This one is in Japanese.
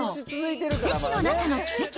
奇跡の中の奇跡！